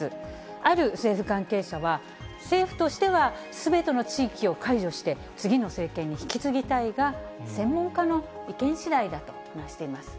ある政府関係者は、政府としてはすべての地域を解除して、次の政権に引き継ぎたいが、専門家の意見しだいだと話しています。